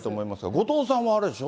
後藤さんはあれでしょ？